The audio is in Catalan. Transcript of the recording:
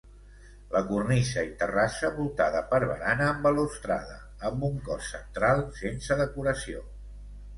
La cornisa i terrassa voltada per barana amb balustrada, amb un cos central sense decoració.